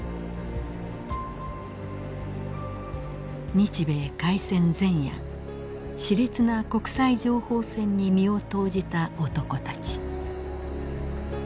日米開戦前夜熾烈な国際情報戦に身を投じた男たち。